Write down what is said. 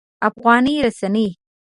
افغانۍ رانیسي.